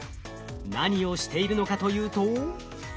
何をしているのかというと。